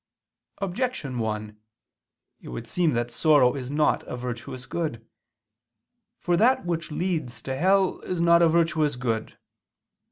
Objection 1: It would seem that sorrow is not a virtuous good. For that which leads to hell is not a virtuous good.